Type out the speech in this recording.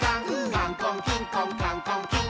「カンコンキンコンカンコンキン！」